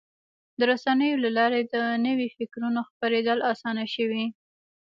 د رسنیو له لارې د نوي فکرونو خپرېدل اسانه شوي.